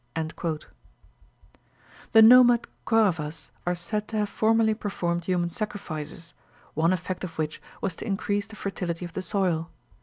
The nomad Koravas are said to have formerly performed human sacrifices, one effect of which was to increase the fertility of the soil.